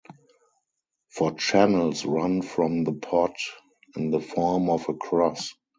For channels run from the pot in the form of a cross.